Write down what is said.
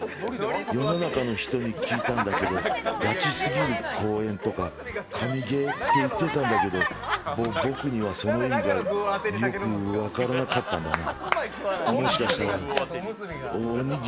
世の中の人に聞いたんだけど、ガキすぎる公園とか神ゲーとか言ってたんだけど、もう僕にはその意味がよく分からなかったんだな。